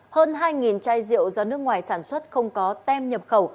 hơn hai chai rượu do nước ngoài sản xuất không có tem nhập khẩu